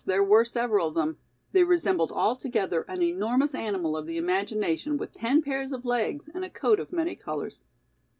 there were several of them they resembled all together an enormous animal of the imagination with ten pairs of legs and a coat of many colors.